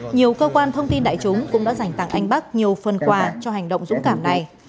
nhiều cơ quan thông tin đại chúng cũng đã dành tặng anh bắc nhiều phần quà cho hành động dũng cảm này